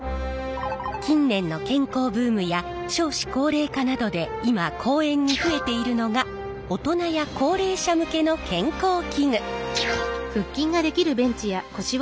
近年の健康ブームや少子高齢化などで今公園に増えているのが大人や高齢者向けの健康器具。